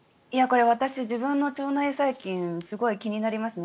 私、自分の腸内細菌すごい気になりますね。